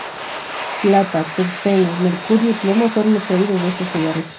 Plata, tungsteno, mercurio y plomo fueron extraídos de esos lugares.